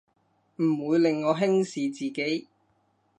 唔會令我輕視自己